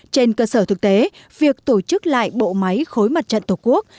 trên cơ sở thực tế việc tổ chức lại bộ máy khối mặt trận tổ quốc